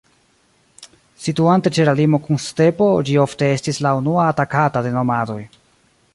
Situante ĉe la limo kun stepo, ĝi ofte estis la unua atakata de nomadoj.